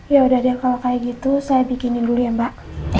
ya udah deh kalau kayak gitu saya bikinin dulu ya mbak